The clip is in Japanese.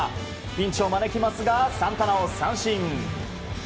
ピンチを招きますがサンタナを三振。